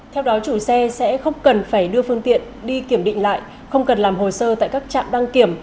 theo đó chủ xe sẽ không cần phải đưa phương tiện đi kiểm định lại không cần làm hồ sơ tại các trạm đăng kiểm